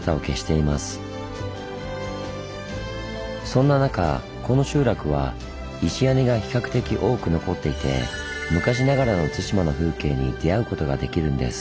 そんな中この集落は石屋根が比較的多く残っていて昔ながらの対馬の風景に出会うことができるんです。